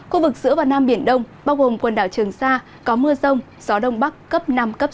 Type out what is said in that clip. khu vực giữa và nam biển đông bao gồm quần đảo trường sa có mưa rông gió đông bắc cấp năm cấp sáu